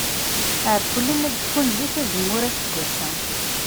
Ɛewwlen ad d-kfun zik azemmur aseggas-a.